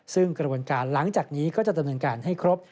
ซึ่งกระบวนการหลังจากนี้ก็จะดำเนินการให้ครบ